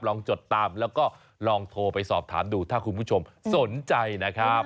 จดตามแล้วก็ลองโทรไปสอบถามดูถ้าคุณผู้ชมสนใจนะครับ